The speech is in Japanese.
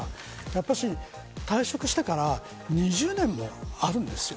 やっぱり退職してから２０年もあるんですよ。